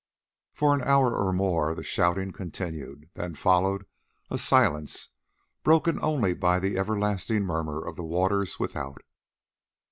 For an hour or more the shouting continued, then followed a silence broken only by the everlasting murmur of the waters without.